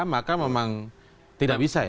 maka memang tidak bisa ya